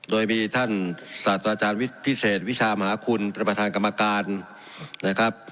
โดยมีท่านศาสตราจารย์พิเศษวิชามหาคุณประธานกรรมการนะครับ